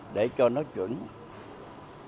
để cho nó trở thành một cái mô hình chính